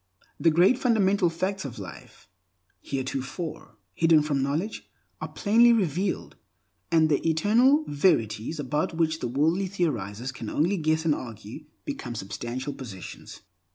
The great fundamental facts of life, heretofore hidden from knowledge, are plainly revealed, and the Eternal Verities, about which the wordy theorizers can only guess and argue, become substantial possessions.